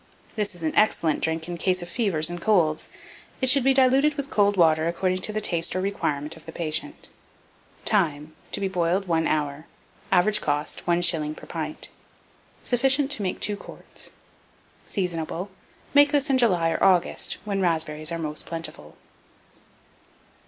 This is an excellent drink in cases of fevers and colds: it should be diluted with cold water, according to the taste or requirement of the patient. Time. To be boiled 1 hour. Average cost, 1s. per pint. Sufficient to make 2 quarts. Seasonable. Make this in July or August, when raspberries are most plentiful.